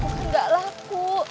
bukan gak laku